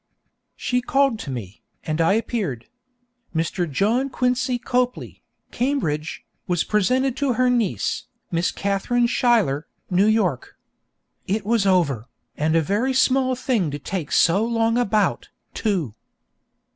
She called to me, and I appeared. Mr. John Quincy Copley, Cambridge, was presented to her niece, Miss Katharine Schuyler, New York. It was over, and a very small thing to take so long about, too.